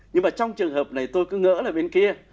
nhưng mà trong trường hợp này tôi cứ ngỡ là bên kia